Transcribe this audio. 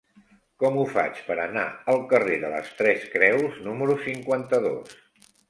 Com ho faig per anar al carrer de les Tres Creus número cinquanta-dos?